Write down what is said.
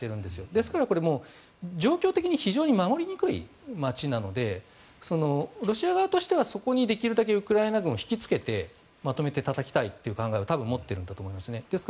ですから、これ状況的に非常に守りにくい街なので、ロシア側としてはそこにできるだけウクライナ軍を引き付けてまとめてたたきたい考えを持っていると思います。